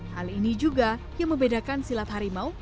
hal ini juga yang membedakan silat harimau